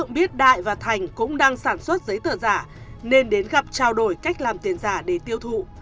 biết đại và thành cũng đang sản xuất giấy tờ giả nên đến gặp trao đổi cách làm tiền giả để tiêu thụ